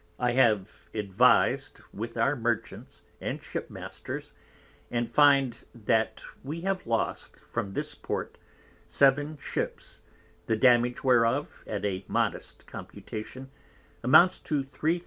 I have advis'd with our Merchants, and Ship Masters, and find that we have lost from this Port 7 Ships, the damage whereof, at a modest Computation, amounts to 3000 _l.